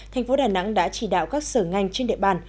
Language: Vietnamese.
tp đà nẵng đã chỉ đạo các sở ngành trên địa bàn